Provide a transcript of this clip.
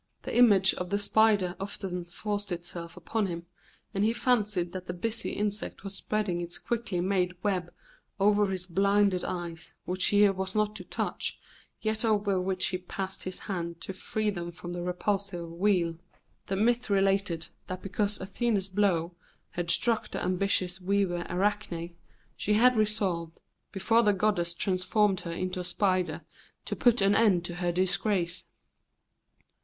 The image of the spider often forced itself upon him, and he fancied that the busy insect was spreading its quickly made web over his blinded eyes, which he was not to touch, yet over which he passed his hand to free them from the repulsive veil. The myth related that because Athene's blow had struck the ambitious weaver Arachne, she had resolved, before the goddess transformed her into a spider, to put an end to her disgrace.